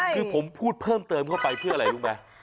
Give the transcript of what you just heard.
คือผมพูดเพิ่มเติมเข้าไปเพื่ออะไรรู้ไหม